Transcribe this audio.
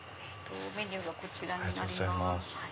メニューがこちらになります。